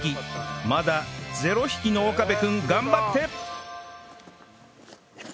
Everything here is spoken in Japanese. まだ０匹の岡部君頑張って